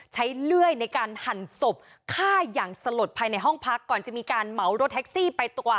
เลื่อยในการหั่นศพฆ่าอย่างสลดภายในห้องพักก่อนจะมีการเหมารถแท็กซี่ไปตัว